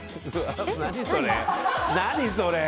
何それ。